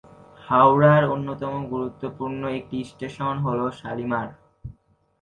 হাওড়ার অন্যতম গুরুত্বপূর্ণ একটি স্টেশন হল শালিমার।